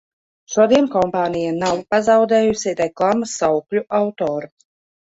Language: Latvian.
Šodien kompānija nav pazaudējusi reklāmas saukļu autoru.